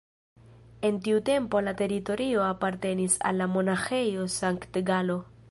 En tiu tempo la teritorio apartenis al la Monaĥejo Sankt-Galo.